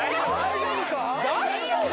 ・大丈夫？